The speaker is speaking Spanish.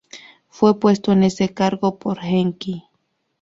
Fue puesto en ese cargo por Enki.